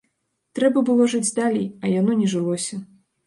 Трэба было жыць далей, а яно не жылося.